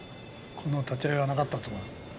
この立ち合いはなかった。